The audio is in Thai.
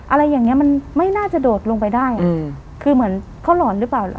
อะไรอย่างเงี้มันไม่น่าจะโดดลงไปได้คือเหมือนเขาหลอนหรือเปล่า